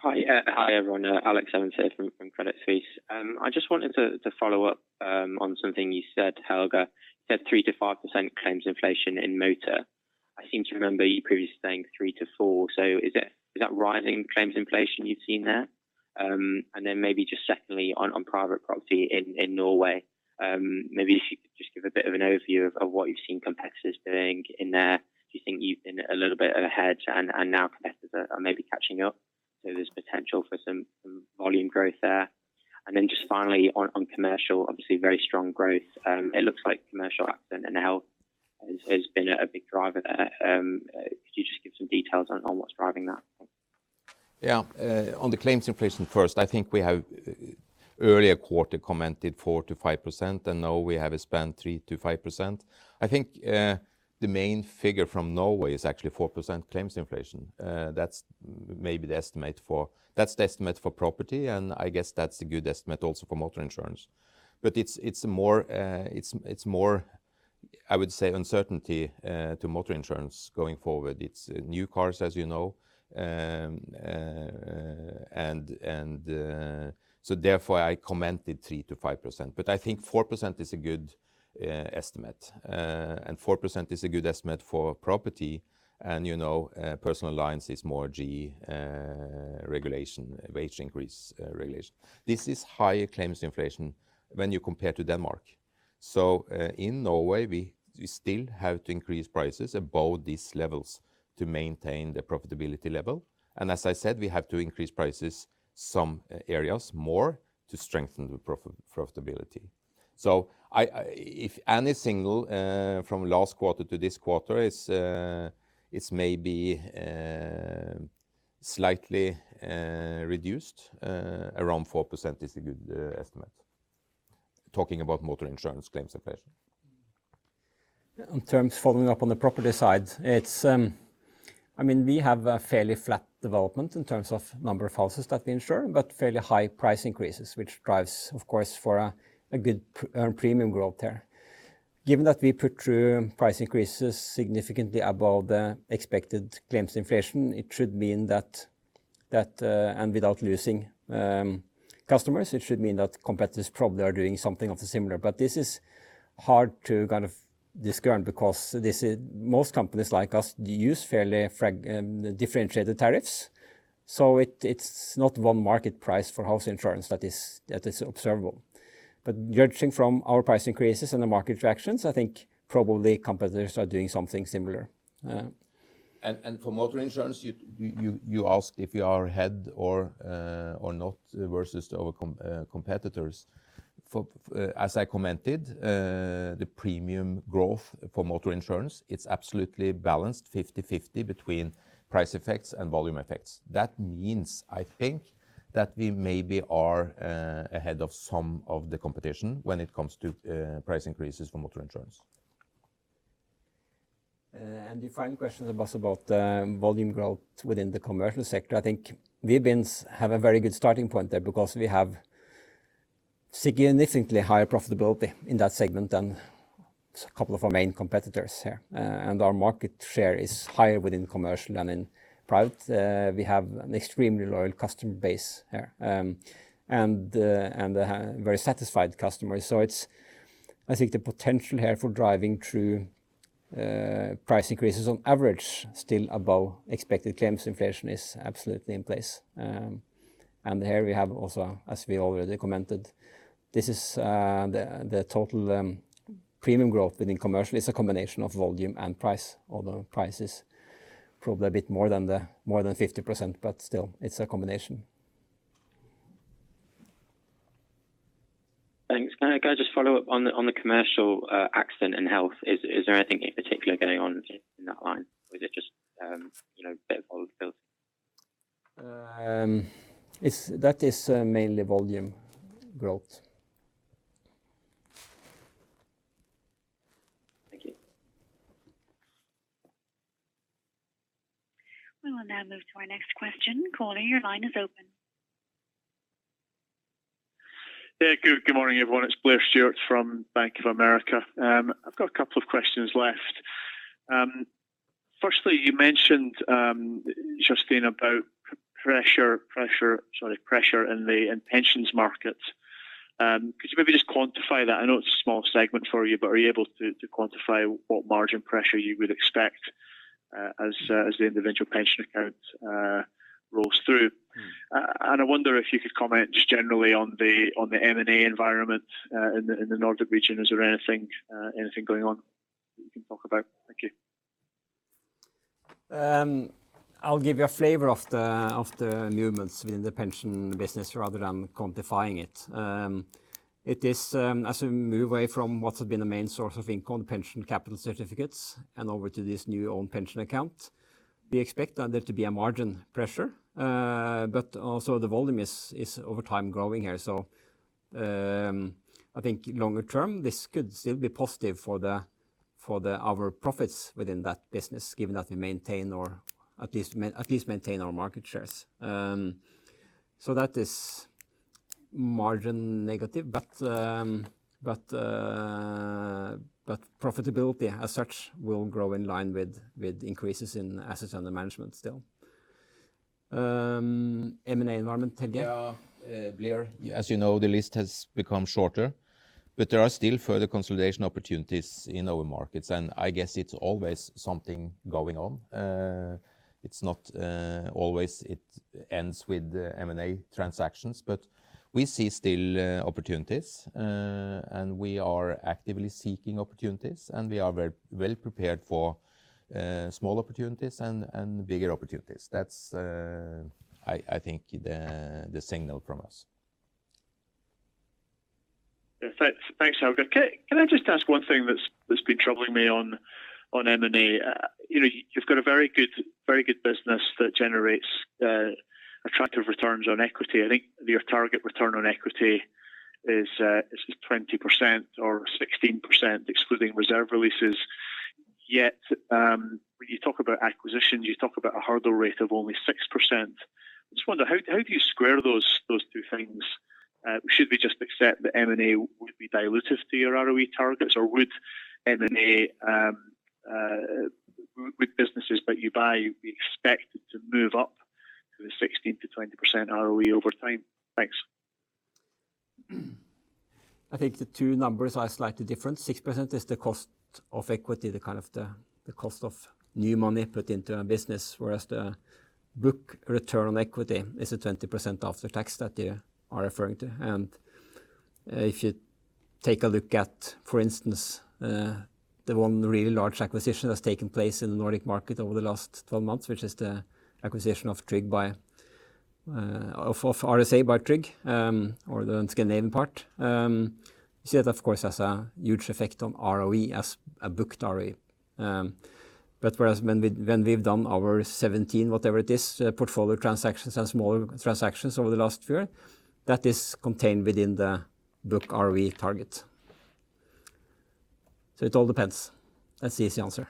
Hi, everyone. Alexander Evans here from Credit Suisse. I just wanted to follow up on something you said, Helge. You said 3% to 5% claims inflation in motor. I seem to remember you previously saying 3 to 4. Is that rising claims inflation you've seen there? Maybe just secondly, on private property in Norway, maybe if you could just give a bit of an overview of what you've seen competitors doing in there. Do you think you've been a little bit ahead and now competitors are maybe catching up, so there's potential for some volume growth there? Just finally, on commercial, obviously very strong growth. It looks like commercial accident and health has been a big driver there. Could you just give some details on what's driving that? Yeah. On the claims inflation first, I think we have earlier quarter commented 4% to 5%, and now we have a span 3% to 5%. I think the main figure from Norway is actually 4% claims inflation. That's the estimate for property, and I guess that's a good estimate also for motor insurance. But it's more, I would say, uncertainty to motor insurance going forward. It's new cars, as you know, and so therefore, I commented 3% to 5%. But I think 4% is a good estimate. And 4% is a good estimate for property and personal lines is more GE regulation, wage increase regulation. This is higher claims inflation when you compare to Denmark. In Norway, we still have to increase prices above these levels to maintain the profitability level. As I said, we have to increase prices some areas more to strengthen the profitability. If anything from last quarter to this quarter is maybe slightly reduced, around 4% is a good estimate. Talking about motor insurance claims inflation. In terms following up on the property side, we have a fairly flat development in terms of number of houses that we insure, but fairly high price increases, which drives, of course, for a good premium growth there. Given that we put through price increases significantly above the expected claims inflation, and without losing customers, it should mean that competitors probably are doing something of the similar. But this is hard to kind of discern because most companies like us use fairly differentiated tariffs. So it's not one market price for house insurance that is observable. But judging from our price increases and the market reactions, I think probably competitors are doing something similar. For motor insurance, you asked if we are ahead or not versus our competitors. As I commented, the premium growth for motor insurance, it's absolutely balanced 50/50 between price effects and volume effects. That means, I think, that we may be are ahead of some of the competition when it comes to price increases for motor insurance. The final question was about volume growth within the commercial sector. I think we have a very good starting point there because we have significantly higher profitability in that segment than a couple of our main competitors here, and our market share is higher within commercial than in private. We have an extremely loyal customer base here, and very satisfied customers. I think the potential here for driving through price increases on average, still above expected claims inflation, is absolutely in place. Here we have also, as we already commented, this is the total premium growth within commercial. It's a combination of volume and price, although price is probably a bit more than 50%, but still, it's a combination. Thanks. Can I just follow up on the commercial accident and health? Is there anything in particular going on in that line, or is it just a bit of all fields? That is mainly volume growth. Thank you. We will now move to our next question. Caller, your line is open. Yeah. Good morning, everyone. It's Blair Stewart from Bank of America. I've got a couple of questions left. Firstly, you mentioned, Jostein, about pressure in the pensions market. Could you maybe just quantify that? I know it's a small segment for you, but are you able to quantify what margin pressure you would expect as the individual pension account rolls through? I wonder if you could comment just generally on the M&A environment in the Nordic region. Is there anything going on that you can talk about? Thank you. I'll give you a flavor of the movements within the pension business rather than quantifying it. As we move away from what has been the main source of income, pension capital certificate, and over to this new own pension account, we expect there to be a margin pressure. Also the volume is over time growing here. I think longer term, this could still be positive for our profits within that business, given that we maintain or at least maintain our market shares. That is margin negative, but profitability as such will grow in line with increases in assets under management still. M&A environment, Terje? Yeah. Blair, as you know, the list has become shorter, but there are still further consolidation opportunities in our markets, and I guess it's always something going on. It's not always it ends with M&A transactions, but we see still opportunities, and we are actively seeking opportunities, and we are very well prepared for small opportunities and bigger opportunities. That's, I think, the signal from us. Yeah. Thanks, Helge. Can I just ask one thing that's been troubling me on M&A? You've got a very good business that generates attractive returns on equity. I think your target return on equity is 20% or 16%, excluding reserve releases. Yet, when you talk about acquisitions, you talk about a hurdle rate of only 6%. I just wonder, how do you square those two things? Should we just accept that M&A would be dilutive to your ROE targets, or would M&A with businesses that you buy be expected to move up to the 16%-20% ROE over time? Thanks. I think the two numbers are slightly different. 6% is the cost of equity, the kind of the cost of new money put into a business, whereas the book return on equity is the 20% after tax that you are referring to. If you take a look at, for instance, the one really large acquisition that's taken place in the Nordic market over the last 12 months, which is the acquisition of RSA by Tryg, or the Scandinavian part. You see that, of course, has a huge effect on ROE as a booked ROE. Whereas when we've done our 17, whatever it is, portfolio transactions and smaller transactions over the last few year, that is contained within the book ROE target. It all depends. That's the easy answer.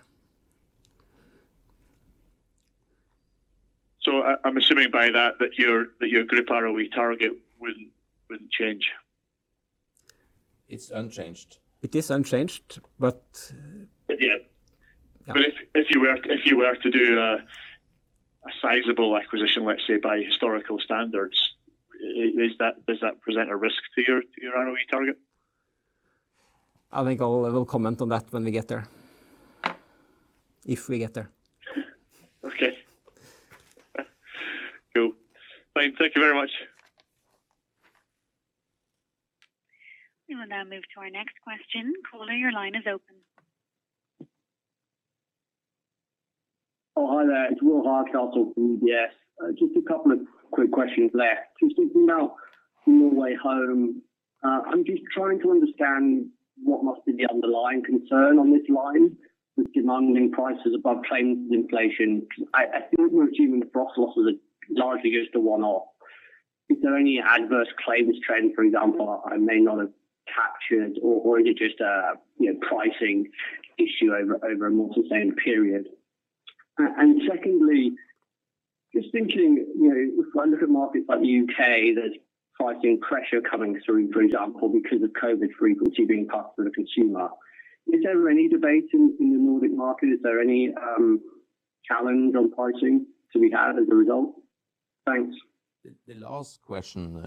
I'm assuming by that your group ROE target wouldn't change. It's unchanged. It is unchanged, but Yeah. Yeah. If you were to do a sizable acquisition, let's say, by historical standards, does that present a risk to your ROE target? I think I will comment on that when we get there. If we get there. Okay. Cool. Fine. Thank you very much. We will now move to our next question. Caller, your line is open. Oh, hi there. It's Will Hardcastle from UBS. Just a couple of quick questions left. Just thinking about Home Away Home. I'm just trying to understand what must be the underlying concern on this line with demanding prices above claims inflation. I think we're assuming the profit losses are largely just a one-off. Is there any adverse claims trend, for example, I may not have captured, or is it just a pricing issue over a multi-year period? Secondly, just thinking, if I look at markets like the U.K., there's pricing pressure coming through, for example, because of COVID frequency being passed through to consumer. Is there any debate in the Nordic market? Is there any challenge on pricing to be had as a result? Thanks. The last question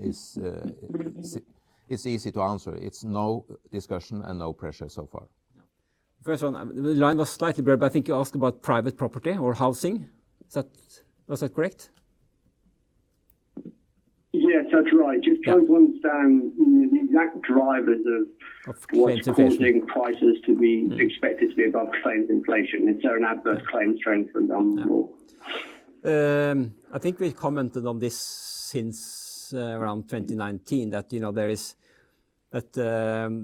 is easy to answer. It's no discussion and no pressure so far. First one, the line was slightly blurred, but I think you asked about private property or housing. Was that correct? Yes, that's right. Just trying to understand the exact drivers of- Of claims development what's causing prices to be expected to be above claims inflation. Is there an adverse claims trend, for example? I think we've commented on this since around 2019, that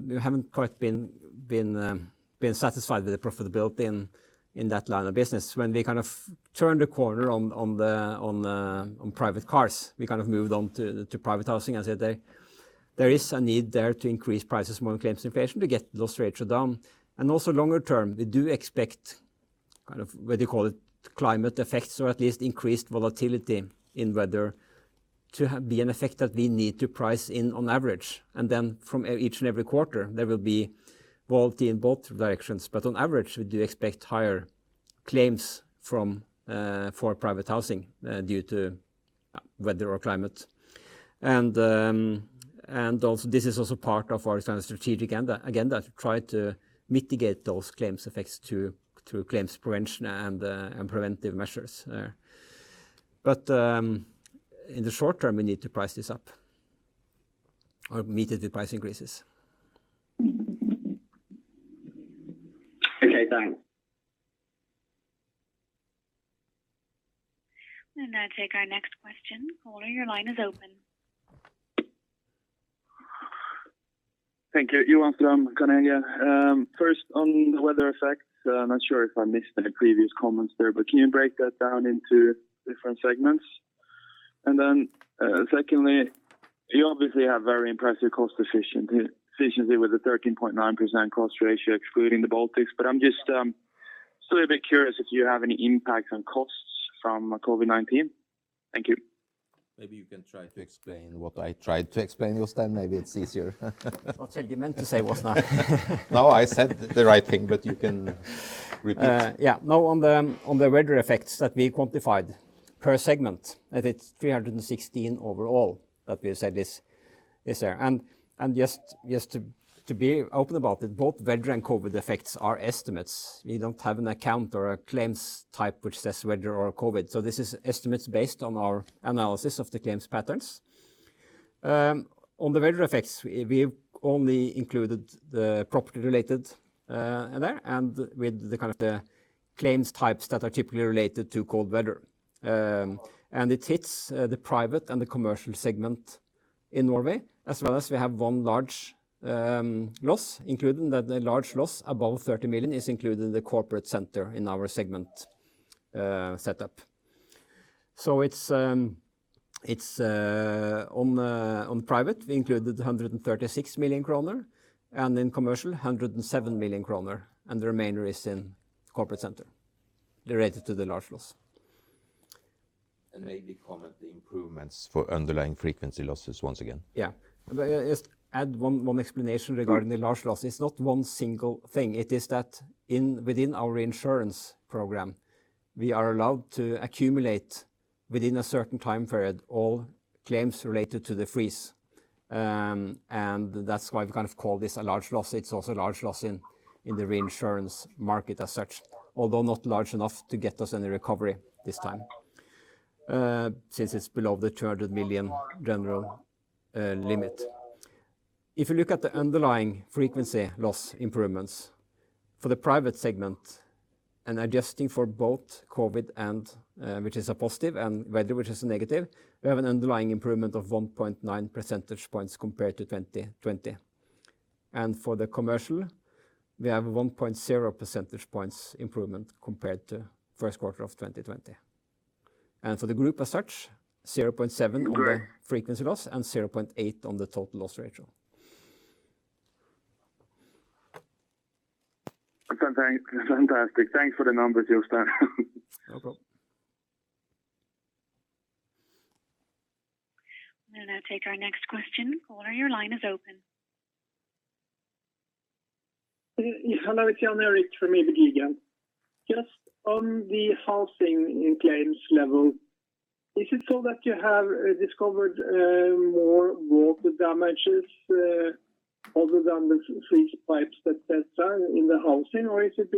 we haven't quite been satisfied with the profitability in that line of business. When we kind of turned the corner on private cars, we kind of moved on to private housing and said there is a need there to increase prices more than claims inflation to get those rates down. also longer term, we do expect kind of, whether you call it climate effects or at least increased volatility in weather to be an effect that we need to price in on average. from each and every quarter, there will be volatility in both directions, but on average, we do expect higher claims for private housing due to weather or climate. also this is also part of our kind of strategic agenda, again, to try to mitigate those claims effects through claims prevention and preventive measures. in the short term, we need to price this up or meet the price increases. Okay, thanks. We'll now take our next question. Caller, your line is open. Thank you. Jostein from Carnegie. First, on the weather effects, I'm not sure if I missed the previous comments there, but can you break that down into different segments? Then secondly, you obviously have very impressive cost efficiency with a 13.9% cost ratio excluding the Baltics, but I'm just still a bit curious if you have any impact on costs from COVID-19. Thank you. Maybe you can try to explain what I tried to explain, Jostein. Maybe it's easier. What you meant to say was that No, I said the right thing, but you can repeat. Yeah, no, on the weather effects that we quantified per segment, that it's 316 million overall that we said is there. And just to be open about it, both weather and COVID effects are estimates. We don't have an account or a claims type, which says weather or COVID, so this is estimates based on our analysis of the claims patterns. On the weather effects, we've only included the property related in there and with the kind of the claims types that are typically related to cold weather. And it hits the private and the commercial segment in Norway, as well as we have one large loss, including that the large loss above 30 million is included in the corporate center in our segment setup. So on private, we included 136 million kroner, and in commercial, 107 million kroner, and the remainder is in corporate center related to the large loss. Maybe comment the improvements for underlying frequency losses once again. Yeah. I'll just add one explanation regarding the large loss. It's not one single thing. It is that within our reinsurance program, we are allowed to accumulate within a certain time period all claims related to the freeze. And that's why we kind of call this a large loss. It's also a large loss in the reinsurance market as such, although not large enough to get us any recovery this time, since it's below the 200 million general limit. If you look at the underlying frequency loss improvements for the private segment and adjusting for both COVID, which is a positive, and weather, which is a negative, we have an underlying improvement of 1.9 percentage points compared to 2020. And for the commercial, we have a 1.0 percentage points improvement compared to first quarter of 2020. For the group as such, 0.7 on the frequency loss and 0.8 on the total loss ratio. Fantastic. Thanks for the numbers, Jostein. No problem. We'll now take our next question. Caller, your line is open. Hello. It's Jan Erik from ABG. Just on the housing claims level, is it so that you have discovered more water damages other than the freeze pipes that are in the housing, or is it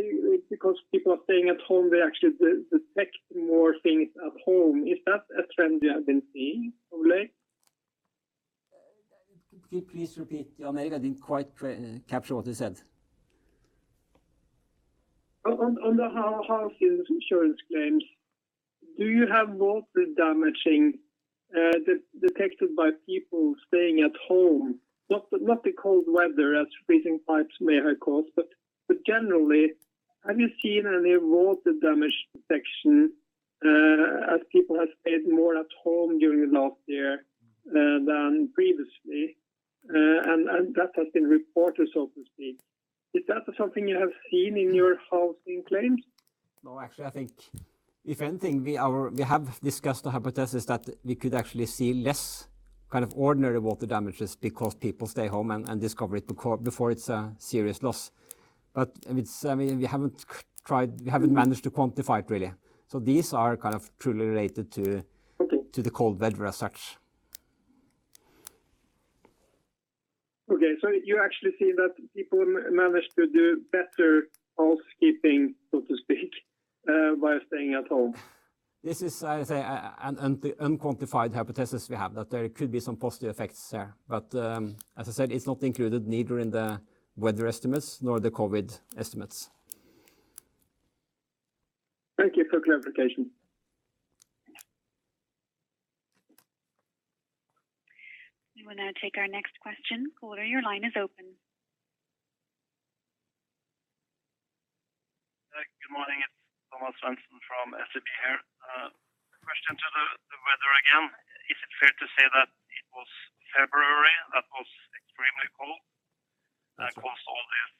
because people are staying at home, they actually detect more things at home? Is that a trend you have been seeing, Helge? Can you please repeat, Jan Erik? I didn't quite capture what you said. On the housing insurance claims, do you have water damaging detected by people staying at home? Not the cold weather as freezing pipes may have caused, but generally, have you seen any water damage detection as people have stayed more at home during last year than previously, and that has been reported, so to speak. Is that something you have seen in your housing claims? actually, I think if anything, we have discussed the hypothesis that we could actually see less kind of ordinary water damages because people stay home and discover it before it's a serious loss. we haven't managed to quantify it really. these are kind of truly related to- Okay the cold weather as such. You actually see that people manage to do better house keeping, so to speak, by staying at home. This is, as I say, an unquantified hypothesis we have that there could be some positive effects there. As I said, it's not included neither in the weather estimates nor the COVID estimates. Thank you for clarification. We will now take our next question. Caller, your line is open. Good morning. It's Thomas Svendsen from SEB here. A question to the weather again. Is it fair to say that it was February that was extremely cold that caused all these-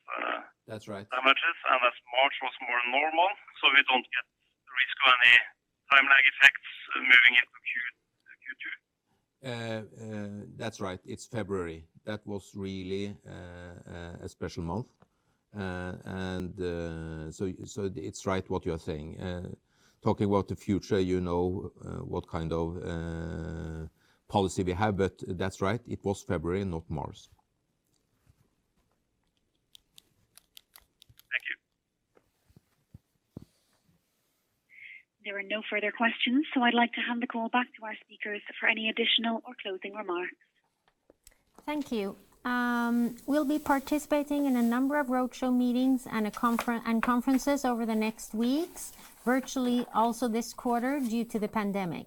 That's right damages, and that March was more normal, so we don't get the risk of any time lag effects moving into Q2? That's right. It's February. That was really a special month. It's right what you are saying. Talking about the future, you know what kind of policy we have, but that's right, it was February, not March. Thank you. There are no further questions, so I'd like to hand the call back to our speakers for any additional or closing remarks. Thank you. We'll be participating in a number of road show meetings and conferences over the next weeks, virtually also this quarter due to the pandemic.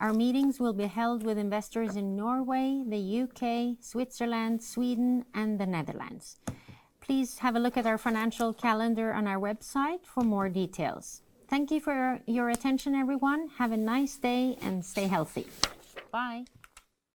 Our meetings will be held with investors in Norway, the U.K., Switzerland, Sweden, and the Netherlands. Please have a look at our financial calendar on our website for more details. Thank you for your attention, everyone. Have a nice day, and stay healthy. Bye.